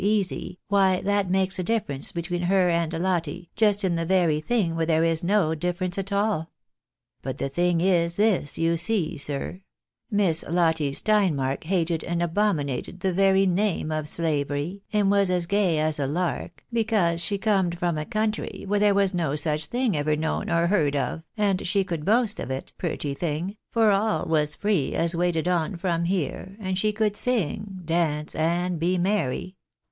193 easy, why that makes a difference between her and Lotte, just in t]ie very thing where there is no difference at all. But the thing Ls this, you sec, sir : Miss Lotte Steinmark hated and abominated the very name of slavery, and was as gay as a lark, because she corned from a country where there was no such a thing ever known or heard of, and she could boast of it, pretty thing, for all was free as waited on them here, and she could sing, dance, and be merry.